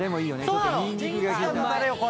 ちょっとニンニクが効いた。